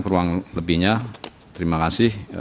ruang lebihnya terima kasih